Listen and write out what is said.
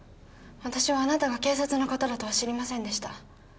私はあなたが警察の方だとは知りませんでした